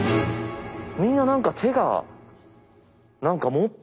みんな何か手が何か持ってんすよ。